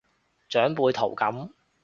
長輩圖噉